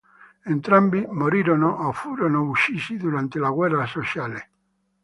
Entrambi morirono o furono uccisi durante la guerra sociale.